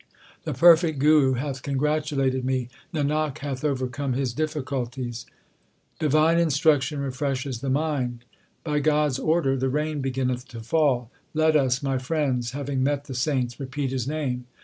The perfect Guru hath congratulated me ; Nanak hath overcome his difficulties. HYMNS OF GURU ARJAN 119 Divine instruction refreshes the mind : By God s order the rain beginneth to fall. Let us, my friends, having met the saints, repeat His name.